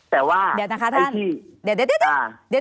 แต่ว่าไอ้ที่